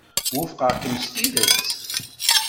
Wufqeɣ-kem s tidet.